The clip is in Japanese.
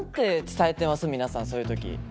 皆さんそういう時。